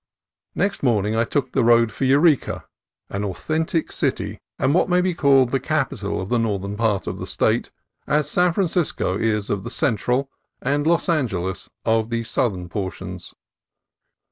Next morning I took the road for Eureka, an au thentic city, and what may be called the capital of the northern part of the State, as San Francisco is of the central and Los Angeles of the southern portions.